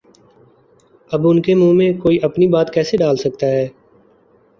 اب ان کے منہ میں کوئی اپنی بات کیسے ڈال سکتا ہے؟